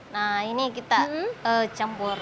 nah ini kita campur